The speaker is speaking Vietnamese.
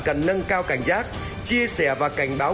cần nâng cao cảnh giác chia sẻ và cảnh báo